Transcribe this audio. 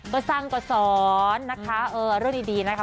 ก็สร้างก็สอนนะคะเรื่องดีนะคะ